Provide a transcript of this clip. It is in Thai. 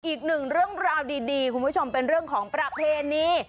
อีกหนึ่งเรื่องราวดีคุณผู้ชมเป็นเรื่องของประเพณี